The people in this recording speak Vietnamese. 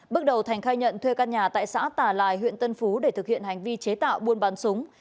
bước đầu thành khai nhận thuê căn nhà tại xã tà lài huyện tân phú để thực hiện hành vi chế tạo buôn bán súng